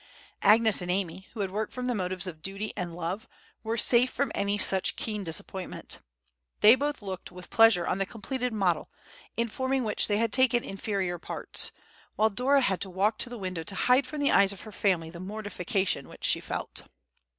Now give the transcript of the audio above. Agnes and Amy, who had worked from motives of duty and love, were safe from any such keen disappointment. They both looked with pleasure on the completed model, in forming which they had taken inferior parts; while Dora had to walk to the window to hide from the eyes of her family the mortification which she felt.